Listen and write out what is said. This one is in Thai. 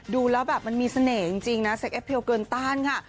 ดูแล้วแบบมันมีเสน่ห์จริงนะเซ็ปเพียลเกินต้านค่ะ